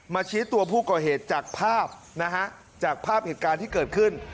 ชี้ตัวผู้ก่อเหตุจากภาพนะฮะจากภาพเหตุการณ์ที่เกิดขึ้น